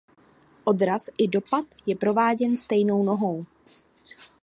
Odraz i dopad je prováděn stejnou nohou.